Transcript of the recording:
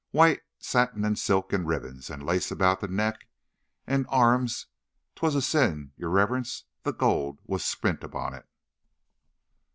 White satin and silk and ribbons, and lace about the neck and arrums—'twas a sin, yer reverence, the gold was spint upon it."